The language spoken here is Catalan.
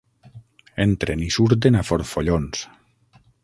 Entren i surten a forfollons.